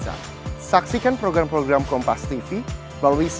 tadi pagi juga ada truk